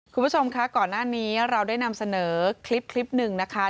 คุณผู้ชมคะก่อนหน้านี้เราได้นำเสนอคลิปหนึ่งนะคะ